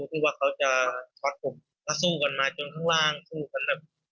คือว่าเขาจะช็อตผมแล้วสู้กันมาจนข้างล่าง